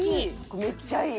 「めっちゃいい！」